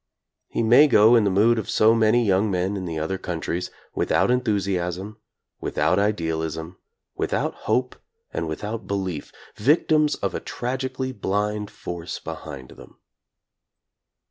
He may go in the mood of so many young men in the other countries, without enthusiasm, without idealism, without hope and without belief, victims of a tragically blind force behind them.